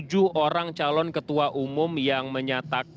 kemarin ada tujuh orang calon ketua umum yang menyatakan